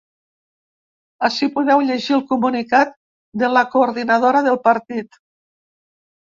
Ací podeu llegir el comunicat de la coordinadora del partit.